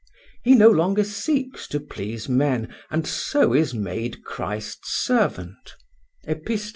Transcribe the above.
He no longer seeks to please men, and so is made Christ's servant" (Epist.